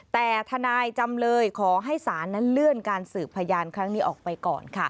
แต่ทนายจำเลยขอให้ศาลนั้นเลื่อนการสืบพยานครั้งนี้ออกไปก่อนค่ะ